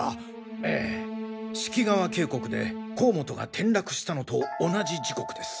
ええ四季川渓谷で甲本が転落したのと同じ時刻です。